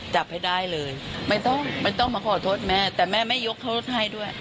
จับให้ได้เลยไม่ต้องไม่ต้องมาขอโทษแม่แต่แม่ไม่ยกโทษให้ด้วย